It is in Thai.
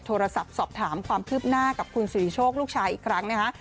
โทรศัพท์สอบถามความคืบหน้ากับคุณสิริโชคลูกชายอีกครั้งนะคะ